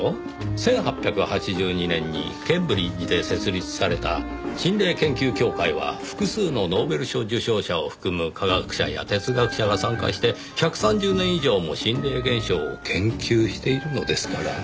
１８８２年にケンブリッジで設立された心霊研究協会は複数のノーベル賞受賞者を含む科学者や哲学者が参加して１３０年以上も心霊現象を研究しているのですから。